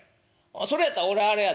「それやったら俺あれやで。